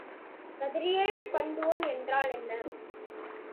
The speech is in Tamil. கதிரியல் பண்டுவம் என்றால் என்ன?